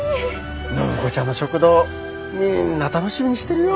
暢子ちゃんの食堂みんな楽しみにしてるよ。